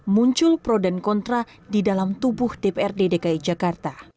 muncul pro dan kontra di dalam tubuh dprd dki jakarta